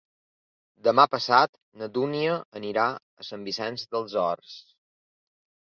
Demà passat na Dúnia anirà a Sant Vicenç dels Horts.